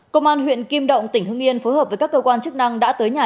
cơ quan huyện kim động tỉnh hương yên phối hợp với các cơ quan chức năng đã tới nhà